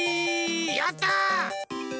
やった！